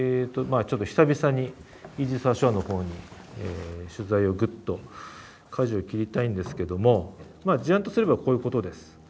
まあちょっと久々にイージス・アショアの方に取材をぐっとかじをきりたいんですけどもまあ事案とすればこういうことです。